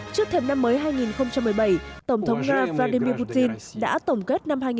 trước thêm năm mới hai nghìn một mươi bảy tổng thống nga vladimir putin đã tổng kết năm hai nghìn một mươi sáu của nước nga